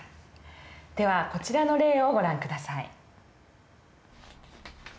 ではこちらの例をご覧下さい。